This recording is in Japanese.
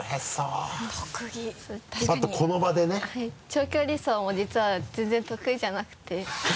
長距離走も実は全然得意じゃなくて。